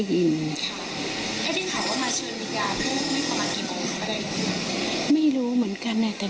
ก็นานครึ่งหน่อย๒เครื่องหน้านั่นแหละ